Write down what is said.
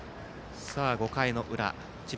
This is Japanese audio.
５回の裏智弁